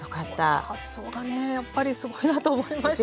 この発想がねやっぱりすごいなと思いましたよ。